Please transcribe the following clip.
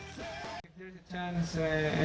pekiau menangkan pertandingan di bali